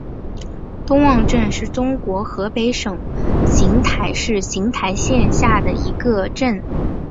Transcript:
东汪镇是中国河北省邢台市邢台县下辖的一个镇。